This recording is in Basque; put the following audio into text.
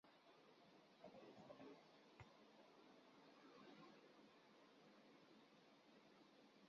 Emakumeak lesioak zituen, eta gizona atxilotu eta epailearen esku utzi zuten.